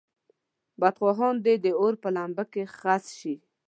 بدخواهان دې د اور په لمبه خس شي.